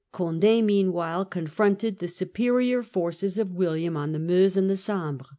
Condd meanwhile confronted the superior forces of William on the C d 6 in Meuse and the Sambre.